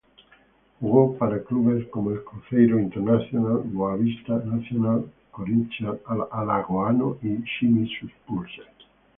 Jugó para clubes como el Cruzeiro, Internacional, Boavista, Nacional, Corinthians Alagoano y Shimizu S-Pulse.